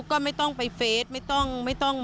ไม่อยากให้มองแบบนั้นจบดราม่าสักทีได้ไหม